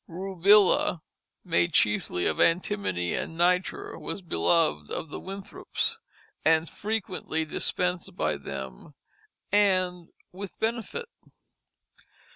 Rubila, made chiefly of antimony and nitre, was beloved of the Winthrops, and frequently dispensed by them and with benefit.